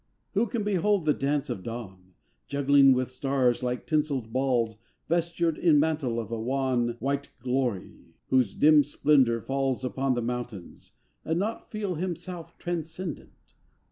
Who can behold the dance of Dawn Juggling with stars like tinselled balls, Vestured in mantle of a wan, White glory whose dim splendour falls Upon the mountains; and not feel Himself transcendant?